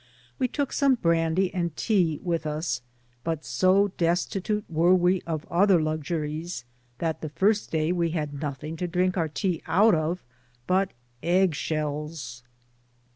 We took with us some brandy and tea, but so destitute were we of other luxuries, that the first day we had nothing to drink our tea out of but egg shells.